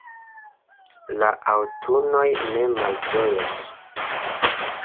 la aŭtunoj ne malĝojas